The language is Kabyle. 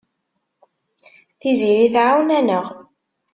Tiziri tɛawen-aneɣ.